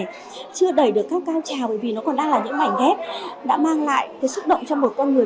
mình không thể được cao cao trào bởi vì nó còn đang là những mảnh ghép đã mang lại cái xúc động cho một con người